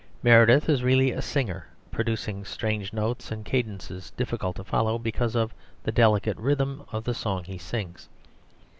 Meredith is really a singer producing strange notes and cadences difficult to follow because of the delicate rhythm of the song he sings.